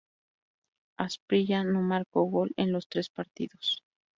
Asprilla no marcó gol en los tres partidos.